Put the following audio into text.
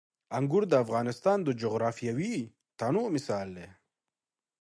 انګور د افغانستان د جغرافیوي تنوع مثال دی.